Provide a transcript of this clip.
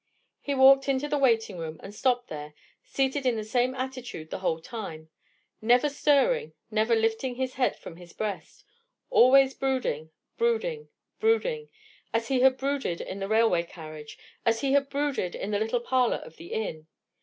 He walked into the waiting room, and stopped there, seated in the same attitude the whole time: never stirring, never lifting his head from his breast: always brooding, brooding, brooding: as he had brooded in the railway carriage, as he had brooded in the little parlour of the inn.